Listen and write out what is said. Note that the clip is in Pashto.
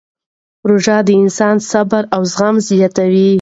روژه د انسان صبر او زغم زیاتوي.